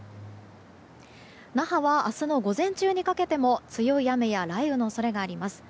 那覇は明日の午前中にかけても強い雨や雷雨の恐れがあります。